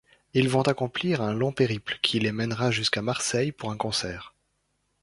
Ils vont accomplir un long périple, qui les mènera jusqu'à Marseille, pour un concert.